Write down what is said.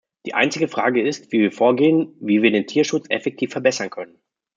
Die einzige Frage ist, wie wir vorgehen, wie wir den Tierschutz effektiv verbessern können.